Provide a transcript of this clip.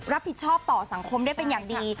รับผิดชอบต่อสังคมได้เป็นอย่างดี